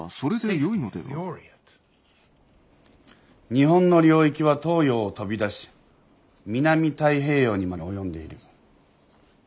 日本の領域は東洋を飛び出し南太平洋にまで及んでいる。